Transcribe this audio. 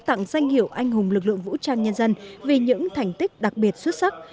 tặng danh hiệu anh hùng lực lượng vũ trang nhân dân vì những thành tích đặc biệt xuất sắc